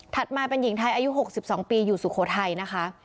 มาเป็นหญิงไทยอายุ๖๒ปีอยู่สุโขทัยนะคะ